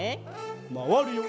まわるよ。